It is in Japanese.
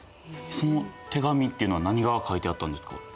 その手紙っていうのは何が書いてあったんですか？